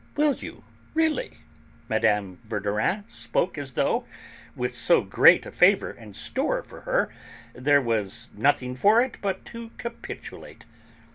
"Will you, really?" Mme. Verdurin spoke as though, with so great a favour in store for her, there was nothing for it but to capitulate.